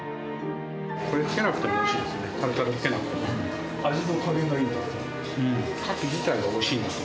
これつけなくてもおいしいですね。